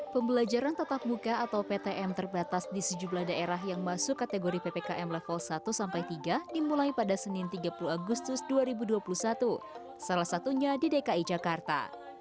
pembelajaran tatap muka atau ptm terbatas di sejumlah daerah yang masuk kategori ppkm level satu sampai tiga dimulai pada senin tiga puluh agustus dua ribu dua puluh satu salah satunya di dki jakarta